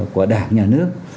của đảng nhà nước